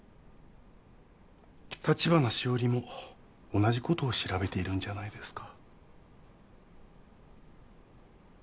橘しおりも同じことを調べているんじゃないですか？